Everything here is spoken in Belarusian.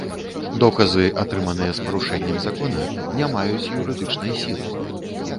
Доказы, атрыманыя з парушэннем закона, не маюць юрыдычнай сілы.